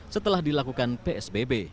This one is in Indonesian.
setelah dilakukan psbb